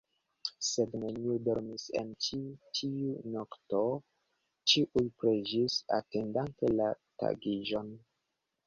Sed neniu dormis en ĉi tiu nokto, ĉiuj preĝis, atendante la tagiĝon.